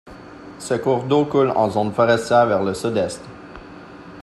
Ce cours d'eau coule en zone forestière vers le sud-est.